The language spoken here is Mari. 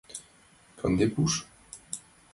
канде пуш